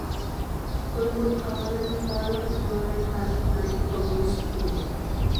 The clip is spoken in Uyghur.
ئۇيغۇر قاغانلىرىنىڭ بارلىق ئۇنۋانلىرى تارىخقا ناھايىتى باغلىنىشلىق ئىدى.